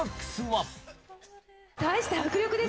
大した迫力です。